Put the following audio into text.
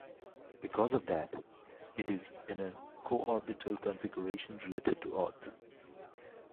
Because of that, it is in a co-orbital configuration relative to Earth.